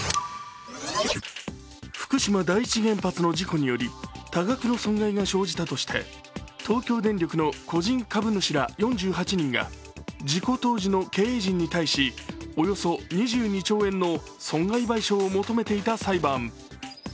福島第一原発の事故により多額の損害が生じたとして東京電力の個人株主ら４８人が事故当時の経営陣に対し、およそ２２兆円の損害賠償を求めていた裁判。